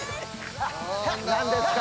何ですか？